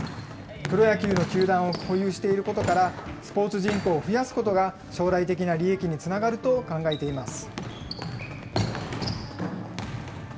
プロ野球の球団を保有していることから、スポーツ人口を増やすことが、将来的な利益につながると考えています。